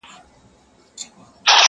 په یوه شپه به پردي سي شتمنۍ او نعمتونه؛